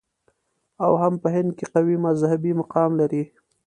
او هم په هند کې قوي مذهبي مقام لري.